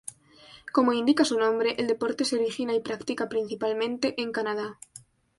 Como indica su nombre, el deporte se origina y practica principalmente en Canadá.